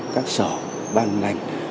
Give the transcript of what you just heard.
các sở ban ngành